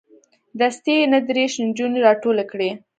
دستې یې نه دېرش نجونې راټولې کړې.